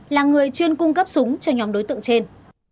là người chuyên cung cấp súng cho nhóm đối tượng trên